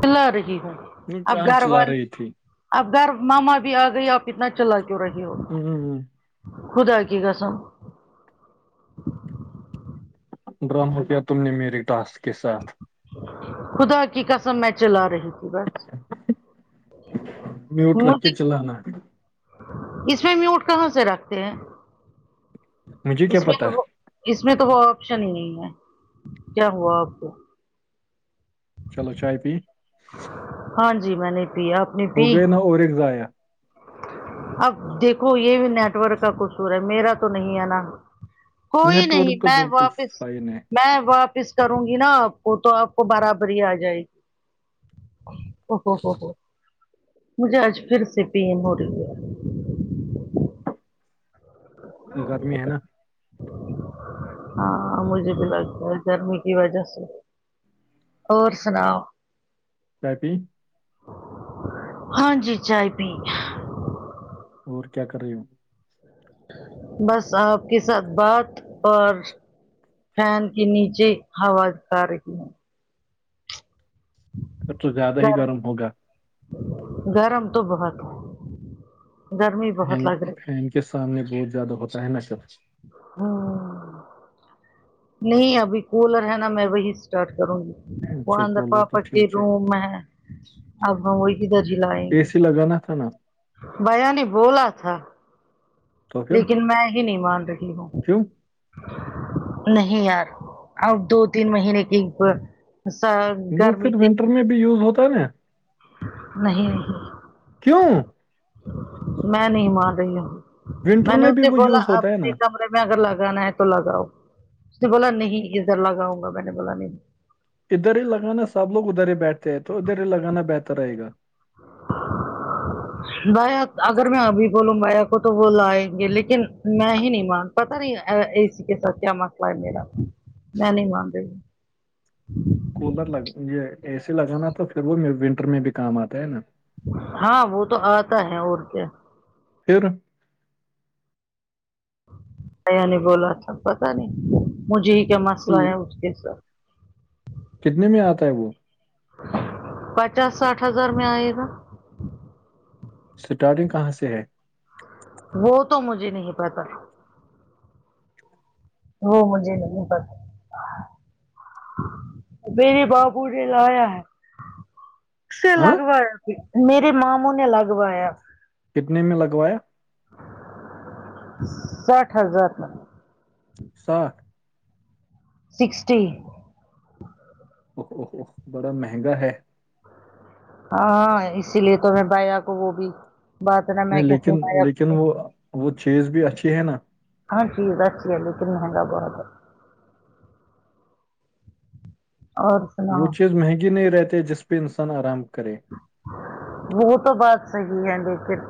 پلا رہی ہوں اب کہاں گھر چلا والے رہی تھی اب گھر ماما بھی آ گئی آپ اتنا چلا کیوں رہے ہو ہوں خدا کی قسم ڈراما کیا تم نے میری ٹاسک کے ساتھ خدا کی قسم میں چلا رہی تھی بس میوٹ رکھ مجھے کے چلانا اس میں میوٹ کہاں سے رکھتے ہیں مجھے کیا اس میں پتا تو اس میں تو وہ آپشن ہی نہیں ہے کیا ہوا آپ کو چلو چائے پی ہاں جی میں نے پیا ہو گیا نا اور ایک ضایع اب دیکھو یہ بھی نیٹورک کا قصور ہے میرا تو نہیں ہے نا کوئی نیٹ نہیں ورک تو میں بالکل واپس فائن ہے میں واپس کروں گی نا آپ کو تو آپ کو برابر ہی آ جائے گی او ہو ہو ہو مجھے آج پھر سے پین ہو رہی ہے گرمی ہے نا ہاں مجھے بھی لگتا ہے گرمی کی وجہ سے اور سناؤ چائے پی ہاں جی چائے پی اور کیا کر رہی ہو بس آپ کے ساتھ بات اور فین کے نیچے ہوا کر رہی ہے پھر تو زیادہ ہی گرم ہوگا گرم تو بہت ہے گرمی فین بہت لگ کے رہی فین ہے کے سامنے بہت زیادہ ہوتا ہے جب ہاں نہیں ابھی کولر ہے نا میں وہی اسٹارٹ کروں گی وہ اچھا اندر کولا تو پاپا کے ٹھیک ہے روم میں ہے اب ہم وہی ادھر جلائیں اے گے سی لگانا تھا نا بھیا نے بولا تھا تو پھر لیکن میں ہی نہیں مان رہی ہوں کیوں نہیں یار اب دو تین مہینے کے اپ ساب وہ پھر ونٹر میں بھی یوز ہوتا ہے نا نہیں نہیں کیوں میں نہیں مان رہی ہوں ونٹر میں نے بھی اسے وہ بولا یوز ہوتا ہے اپنے نا کے کمرے میں میں اگر لگانا ہے تو لگاؤں اس نے بولا نہیں ادھر لگاؤں گا میں نے بولا نہیں ادھر ہی لگانا سب لوگ ادھر ہی بیٹھتے ہیں تو ادھر ہی لگانا بہتر رہے گا [unintelligible] بایا اگر میں ابھی بولوں بایا کو تو وہ لائیں گے لیکن میں ہی نہیں مان پتا نہیں اسی کے ساتھ کیا مسئلہ ہے میرا میں نہیں مان رہی [inaudible] کولر لگ اے سی لگانا تو پھر وہ ونٹر میں بھی کام آتا ہے نا ہاں وہ تو آتا ہے اور کیا پھر بایا نے بولا تھا پتا نہیں مجھے ہی کیا مسئلہ تو آیا اس کے ساتھ کتنے میں آتا ہے وہ پچاس ساٹھ ہزار میں آئے گا اسٹارٹنگ کہاں سے ہے وہ تو مجھے نہیں پتا وہ مجھے نہیں پسند میرے ماموں نے لایا ہے اس سے ہاں لگوایا ابھی میرے ماموں نے لگوایا کتنے میں لگوایا ساٹھ ہزار کا ساٹھ سکسٹی اف اف اف بڑا مہنگا ہے ہاں اسی لیے تو میں بایا کو وہ بھی بات نا میں نہیں کہتی ہوں لیکن بایا لیکن وہ وہ چیز بھی اچھی ہے نا ہاں چیز اچھی ہی ہے لیکن مہنگا بہت ہے اور وہ سناؤ چیز مہنگی نہیں رہتی جس پہ انسان آرام کرے وہ تو بات صحیح ہے لیکن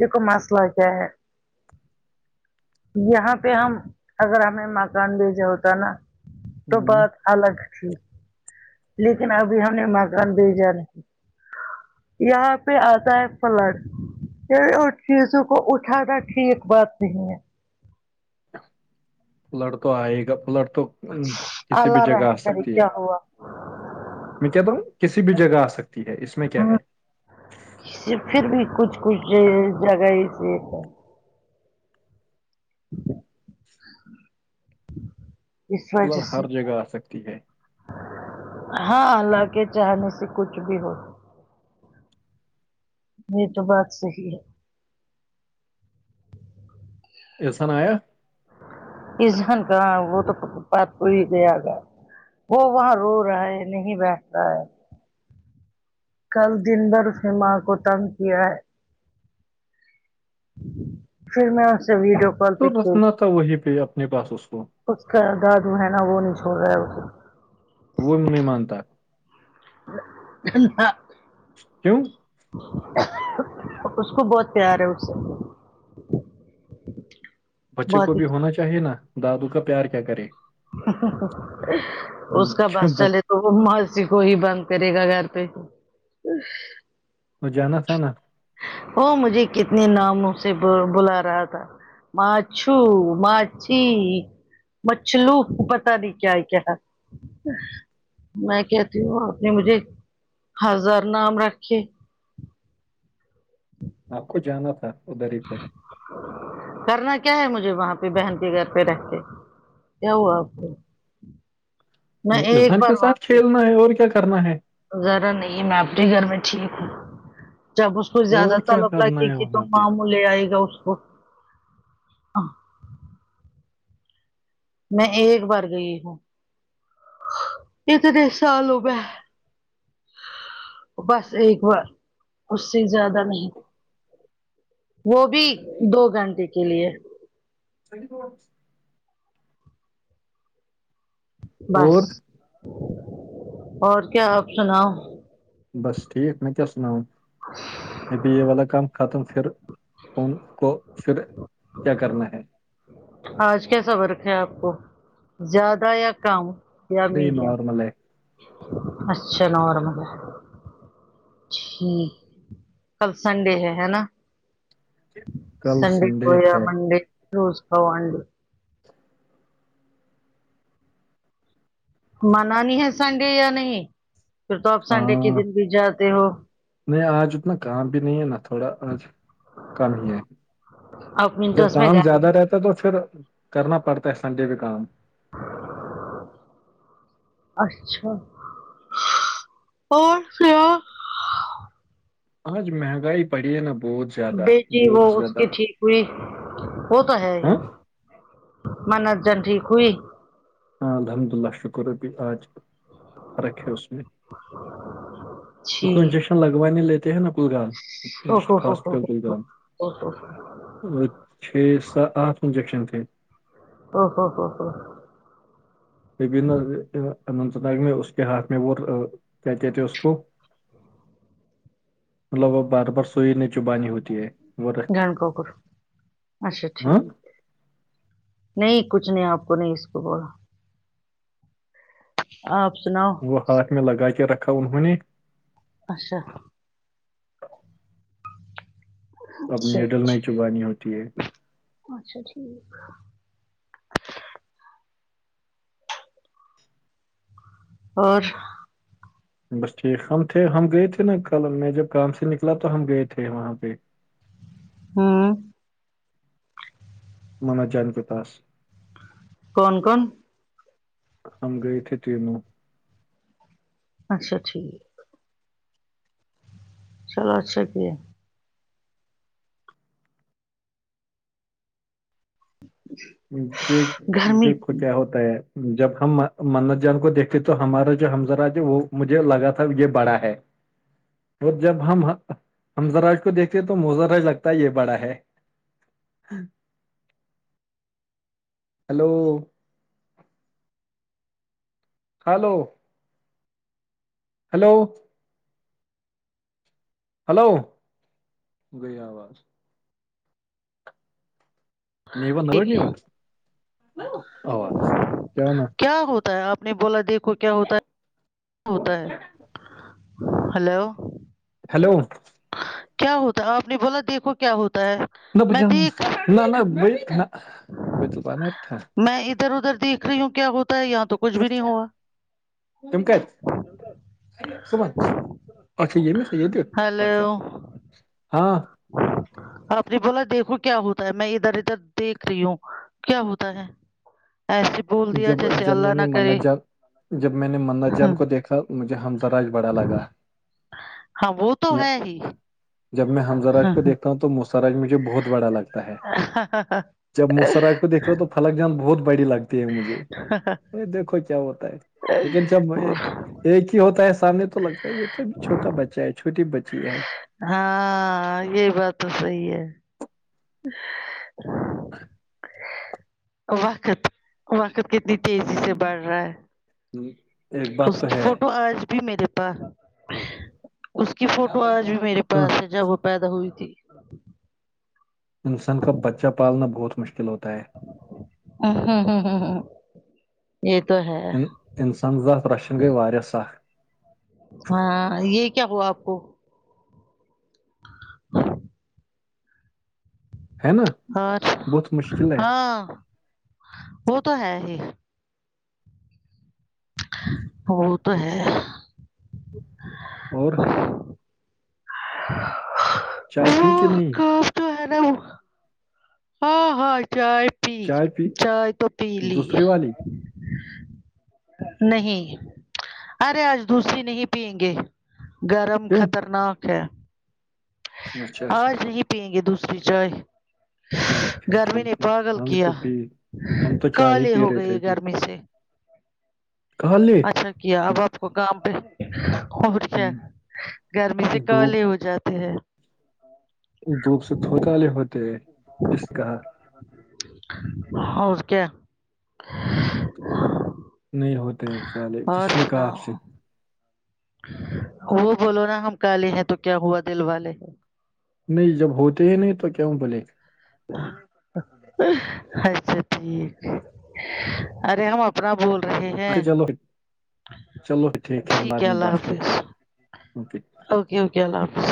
دیکھو مسئلہ کیا ہے یہاں پہ ہم اگر ہمیں مکان بھیجا ہوتا نا تو ہوں بات الگ تھی لیکن ابھی ہم نے مکان بھیجا نہیں یہاں پہ آتا ہے فلڈ پھر ان چیزوں کو اٹھانا ٹھیک بات نہیں ہے فلڈ تو آئے گا فلڈ تو کسی بھی اللہ جگہ آ رحم کرے سکتی ہے کیا ہوا میں کہتا ہوں کسی بھی جگہ آ سکتی ہے اس میں کیا ہے پھر بھی کچھ کچھ جگہ سیف ہے اس وجہ مطلب سے ہر جگہ آ سکتی ہے ہاں اللہ کے چاہنے سے کچھ بھی ہو یہ تو بات صحیح ہے احسن آیا احسن کہاں وہ تو [unintelligible] ہو ہی گیا گا وہ وہاں رو رہا ہے نہیں بیٹھ رہا ہے کل دن بھر اس نے ماں کو تنگ کیا ہے پھر میں اسے ویڈیو کال تو پہ کھیل رسنا تھا وہی پہ اپنے پاس اس کو اس کا دادو ہے نا وہ نہیں چھوڑ رہا ہے اس وہ نہیں مانتا ہے [unintelligible] کیوں اس کو بہت پیار ہے اس سے بچے کو بہت ہی بھی ہونا چاہیے نا دادو کا پیار کیا کرے اس ہم، کا کیا بس چلے بچ- تو وہ موسی کو ہی بند کرے گا گھر پہ اور جانا تھانا وہ مجھے کتنے ناموں سے بلا رہا تھا ماچھو ماچھی مچھلو پتا نہیں کیا کیا میں کہتی ہوں آپ نے مجھے ہزار نام رکھے آپ کو جانا تھا ادھر ہی پھر کرنا کیا ہے مجھے وہاں پہ بہن کے گھر پہ رہتے کیا ہوا آپ کو میں ایک انسان بار کے وہاں ساتھ پہ کھیلنا ہے اور کیا کرنا ہے ذرا نہیں میں اپنے گھر میں ٹھیک ہوں جب اس کو زیادہ اور کیا طلب کرنا لگے ہے گی تو وہاں پہ ماموں لے آئے گا اس کو میں ایک بار گئی ہوں اتنے سالوں میں بس ایک بار اس سے زیادہ نہیں وہ بھی دو گھنٹے کے لیے [unintelligible] بس اور اور کیا آپ سناؤ بس ٹھیک میں کیا سناؤں اب یہ والا کام ختم پھر ان کو پھر کیا کرنا ہے آج کیسا ورک ہے آپ کو زیادہ یا کم یا یہ میڈیم نارمل ہے اچھا نارمل ہے ٹھیک کل سنڈے ہے ہے نا کل سنڈے ہویا ہے منڈے روز کھاؤ انڈے منانی ہے سنڈے یا نہیں اب سنڈے کے ہاں دن بھی جاتے ہو نہیں آج اتنا کام بھی نہیں ہے نا تھوڑا آج کم ہی ہے آپ جب ونٹرس میں کام گئے زیادہ نہیں رہتا ہے تو پھر کرنا پڑتا ہے سنڈے پہ کام اچھا اور سناؤں آج مہنگائی پڑی ہے نا بہت زیادہ بیٹی وہ بہت اس زیادہ کی ٹھیک ہوئی وہ تو ہے ہی ہاں منر جن ٹھیک ہوئی ہاں الحمد للہ شکر روبی آج فرق ہے اس میں تو چھی کو انجیکشن لگوان نہیں لیتے تے ہے پورا او ہو ہو ہو ہو او ہو [unintelligible] چھ سات آٹھ انزیکشن تھے او ہو ہو ہو اب [unintelligible] اس کے ہاتھ میں وہ کیا کہتے اس کو مطلب وہ بار بار سوئی میں چبانی ہوتی ہے وہ رکھ- گن کوکر اچھا ہاں ٹھیک ہے نہیں کچھ نہیں آپ کو نہیں اس کو بولا آپ سناؤ وہ ہاتھ میں لگا کے رکھا انہوں نے اچھا اب اچھا نیڈل نہیں ٹھیک چبانی ہوتی ہے اچھا ٹھیک اور بس ٹھیک ہم ٹھیک ہم گئے تھے نا کل میں جب کام سے نکلا تو ہم گئے تھے وہاں پے ہمم ماما جان کے پاس کون کون ہم گئے تھے تینوں اچھا ٹھیک چلو اچھا کیا جی گرمی دیکھو کیا ہوتا جب ہم ماما جان کو دیکھتے تو ہمارا جو حمزراج وہ مجھے لگا تھا یے بڑا ہے [inaudible] وہ جب ہم ہممزراج کو دیکھتے تو مجھ لگتا ہے یے بڑا ہے ہیلو ہلو ہلو ہلو گئی آواز نیوا نور نیوا آواز نا کیا ہوتا ہے آپ آپ نے بولا دیکھو کیا ہوتا ہے ہوتا ہے ہلو ہیلو کیا ہوتا آپ نے بولا دیکھو کیا ہوتا ہے میں دیکھ [unintelligible] تھا میں ادھر ادھر دیکھ رہی ہوں کیا ہوتا ہے یہاں تو کچھ بھی نہیں ہوا سمج اچھا یے [unintelligible] اچھا ہلو اچھا ہاں آپ نے بولا دیکھو کیا ہوتا ہے میں ادھر ادھر دیکھ رہی ہوں کیا ہوتا ہے ایسے بول دیا جب جیسے جب میں اللہ نے نہ منا کرے جان جب میں نے ماما ہاں جان کو دیکھا مجھے حمزراج بڑا لگا ہاں وہ تو ہے ہی یا- جب میں ہممزراج کو دیکتا ہوں تو سراج مجھے بہت بڑا لگتا ہے جب مسراج کو دھ رہ ہو تو فلک جان بہت بڑی لگتی مجھے دیکھو کیا ہوتا ہے لیکن جب میں ایک ہی ہوتا ہے سامنے تو لگتا ہے یے تو چھوٹا بچہ ہے چھوٹی بچی ہے ہاں یے بات تو صحیح ہے [inaudible] وقت وقت کتنی تیزی ہوں، سے بڑھ رہا ہے ہوں، ایک اس بات تو کی ہے فوٹو آج بھی میرے پا اس کی فوٹو آج بھی میرے ہاں، پاس ہے جب وہ پیدا ہوئی تھی انسان کا بچہ پالنا بہت مشکل ہوتا ہے یہ تو ہے انسانات رچشن گے ویا سخ [unintelligible] ہاں یہ کیا ہوا آپ کو ہاں ہے نا اچھا بہت مشکل ہے ہاں وہ تو ہے ہی وہ تو ہے اور چائے پی کہ وہ نہیں [unintelligible] ہاں ہاں چائے پی چائے پی چائے تو پی لی دوسری والی نہیں ارے آج دوسری نہیں پیئیں گے گرم کیوں خطرناک ہے اچھا اچھا آج نہیں پیئیں گے دوسری چائے ٹھیک ہے گرمی نے ٹھیک ہے پاگل ہم کیا تو پی ہم تو چائے ہی کالے پی ہو رہے تھے گئی ابھی گرمی سے کالے اچھا کیا اب آپ کو کام پہ اور کیا ہم، گرمی سے دھوپ کالے ہو جاتے ہیں دھوپ سے تو کالے ہوتے اس کا اور کیا نہیں ہوتے ہیں کالے اور کس نے کہا آپ سناؤ سے وہ بولو نا ہم کالے ہیں تو کیا ہوا دل والے ہے نہیں جب ہوتے ہی نہیں تو کیوں بولے اچھا ٹھیک ارے ہم اپ نا بول رہے ہیں اچھا چلو چلو ٹھیک ہے ہم بعد میں بات کرتے ہیں اوکے اوکے اوکے اللہ حافظ